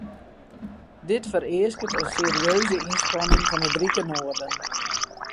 Dit fereasket in serieuze ynspanning fan it rike noarden.